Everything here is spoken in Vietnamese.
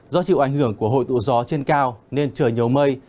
do chịu ảnh hưởng của hội tụ gió trên cao nên trời nhiều mây